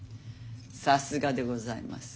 さすがでございます。